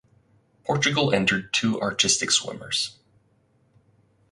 Portugal entered two artistic swimmers.